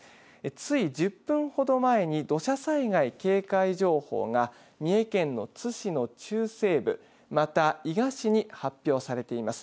つい１０分ほど前に土砂災害警戒情報が三重県の津市の中西部また、伊賀市に発表されています。